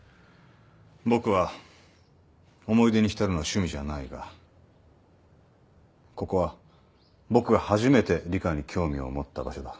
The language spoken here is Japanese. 僕は思い出に浸るのは趣味じゃないがここは僕が初めて理科に興味を持った場所だ。